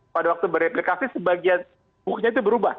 pada waktu bereplikasi sebagian bukunya itu berubah